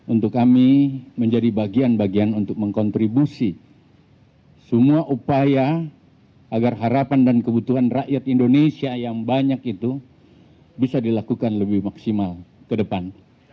untuk kami menjadi bagian bagian untuk mengkontribusi semua upaya agar harapan dan kebutuhan rakyat indonesia yang banyak itu bisa dilakukan lebih maksimal ke depan